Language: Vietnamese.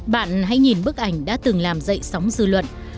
bạn hãy nhìn bức ảnh đã từng làm dậy sóng dư luận